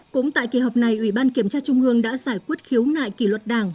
cũng tại kỳ họp này ủy ban kiểm tra trung ương đã giải quyết khiếu nại kỷ luật đảng